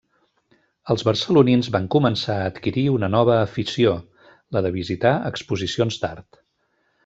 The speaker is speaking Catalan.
Els barcelonins van començar a adquirir una nova afició, la de visitar exposicions d'art.